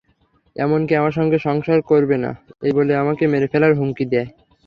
এমনকি আমার সঙ্গে সংসার করবে না—এই বলে আমাকে মেরে ফেলার হুমকি দেয়।